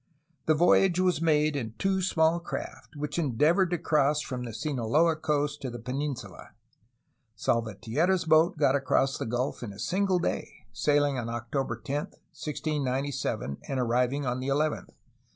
The voyage was made in two small craft, which endeavored to cross from the Sinaloa coast to the peninsula. Salvatierra' s boat got across the gulf in a single day, sailing on October 10, 1697, and arriving on the 11th.